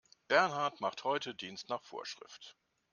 Bernhard macht heute Dienst nach Vorschrift.